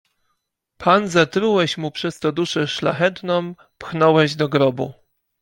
"Pan zatrułeś mu przez to duszę szlachetną, pchnąłeś do grobu!"